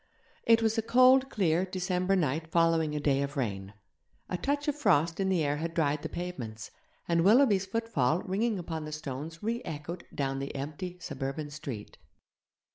It was a cold, clear December night following a day of rain. A touch of frost in the air had dried the pavements, and Willoughby's footfall ringing upon the stones re echoed down the empty suburban street.